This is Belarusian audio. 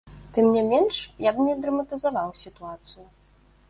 Тым не менш, я б не драматызаваў сітуацыю.